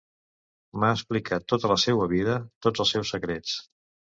M'ha explicat tota la seua vida, tots els seus secrets...